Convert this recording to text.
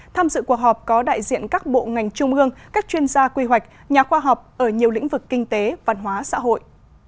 tham dự cuộc họp có đại diện các bộ ngành trung ương các chuyên gia quy hoạch nhà khoa học ở nhiều lĩnh vực kinh tế văn hóa xã hội